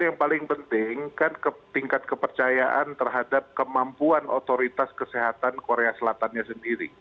yang paling penting kan tingkat kepercayaan terhadap kemampuan otoritas kesehatan korea selatannya sendiri